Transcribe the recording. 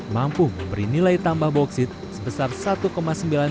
mampu memberi nilai tambah bauksit sebesar rp satu sembilan juta